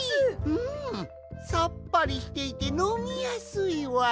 うんさっぱりしていてのみやすいわい。